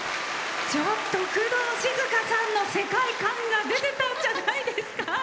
工藤静香さんの世界観が出てたんじゃないですか？